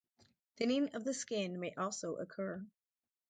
Thinning of the skin may also occur.